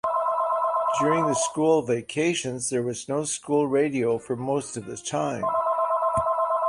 During the school vacations there was no school radio for most of the time.